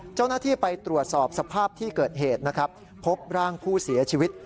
เจ้าหน้าที่ไปตรวจสอบสภาพที่เกิดเหตุนะครับพบร่างผู้เสียชีวิต